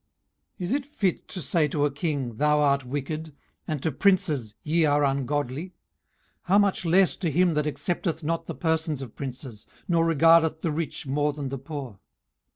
18:034:018 Is it fit to say to a king, Thou art wicked? and to princes, Ye are ungodly? 18:034:019 How much less to him that accepteth not the persons of princes, nor regardeth the rich more than the poor?